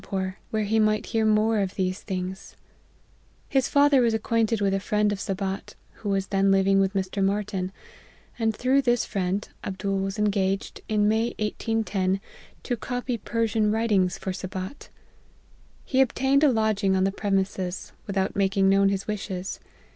pore, where he might hear of more of these things His father was acquainted with a friend of Sabat, who was then living with Mr. Martyn ; and through this friend, Abdool was engaged, in May 1810, to copy Persian writings for Sabat. He obtained a lodging on the premises, without making known his wishes.